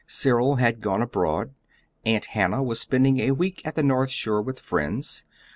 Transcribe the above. Cyril had gone abroad. Aunt Hannah was spending a week at the North Shore with friends.